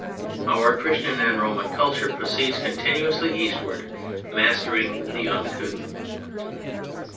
Our Christian and Roman culture proceeds continuously eastward, mastering the uncouth.